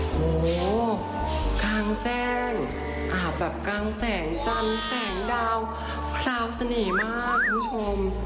โอ้โหกลางแจ้งอาบแบบกลางแสงจันทร์แสงดาวพราวเสน่ห์มากคุณผู้ชม